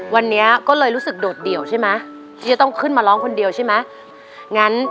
วันนี้ก็เลยรู้สึกโดดเดี่ยวใช่ไหมที่จะต้องขึ้นมาร้องคนเดียวใช่ไหมงั้น